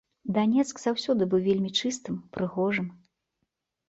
Данецк заўсёды быў вельмі чыстым, прыгожым.